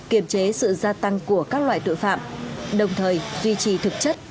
kiểm chế sự gia tăng của các loại tội phạm đồng thời duy trì thực chất